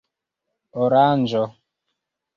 oranĝo